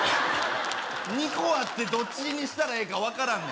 ２個あってどっちにしたらええか分からんねん